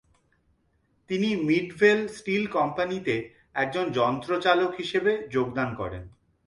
তিনি 'Midvale steel কোম্পানিতে' একজন যন্ত্র চালক হিসেবে যোগদান করেন।